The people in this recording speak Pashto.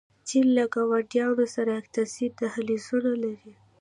چین له ګاونډیانو سره اقتصادي دهلیزونه لري.